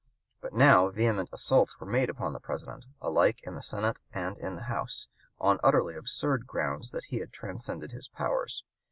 But now vehement assaults were made upon the President, alike in the Senate and in the House, on the utterly absurd ground that he had transcended his powers.